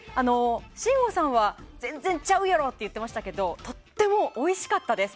信五さんは全然ちゃうやろと言っていましたがとってもおいしかったです。